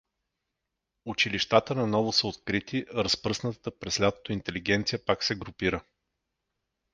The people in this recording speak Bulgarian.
Училищата наново са открити, разпръснатата през лятото интелигенция пак се групира.